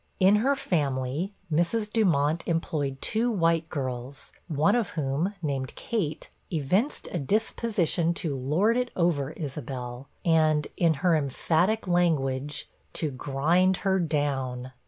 In her family, Mrs. Dumont employed two white girls, one of whom, named Kate, evinced a disposition to 'lord it over' Isabel, and, in her emphatic language, 'to grind her down